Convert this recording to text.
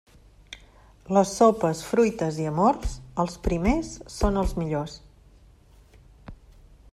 Les sopes, fruites i amors, els primers són els millors.